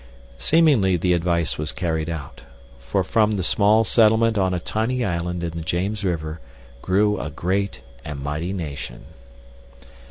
Seemingly the advice was carried out, for from the small settlement on a tiny island in the James River grew a great and mighty nation.